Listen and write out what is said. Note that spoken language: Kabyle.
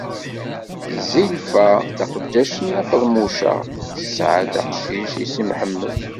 Zilfa, taqeddact n Nna Feḍmuca, tesɛa-as-d aqcic i Si Mḥemmed.